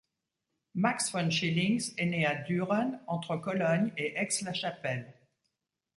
Max von Schillings est né à Düren entre Cologne et Aix-la-Chapelle.